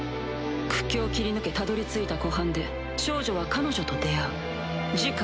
苦境を切り抜けたどりついた湖畔で少女は彼女と出会う次回